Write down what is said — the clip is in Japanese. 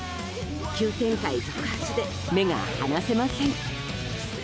急展開続発で目が離せません。